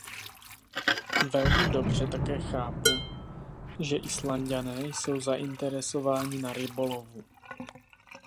Velmi dobře také chápu, že Islanďané jsou zainteresováni na rybolovu.